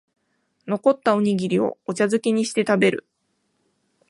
残ったおにぎりをお茶づけにして食べる